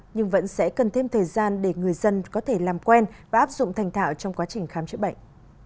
nhưng vẫn sẽ cần thêm thời gian để người dân có thể làm quen và áp dụng thành thạo trong quá trình khám chữa bệnh